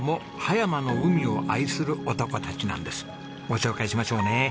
ご紹介しましょうね。